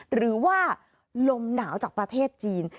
หรือว่าลมหนาวจากประเทศจีน